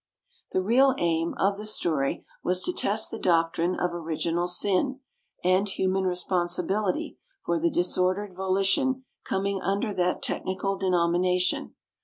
The real aim, of the story was to test the doctrine of "original sin" and human responsibility for the disordered volition coming under that technical denomination.